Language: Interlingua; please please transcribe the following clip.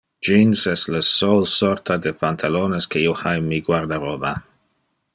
Jeans es le solo sorta de pantalones que io ha in mi guardaroba.